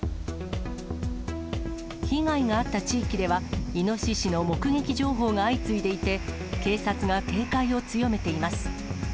被害があった地域では、イノシシの目撃情報が相次いでいて、警察が警戒を強めています。